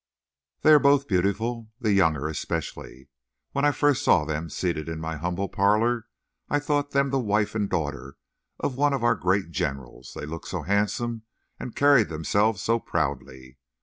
They are both beautiful, the younger especially. When I first saw them seated in my humble parlor, I thought them the wife and daughter of one of our great generals, they looked so handsome and carried themselves so proudly.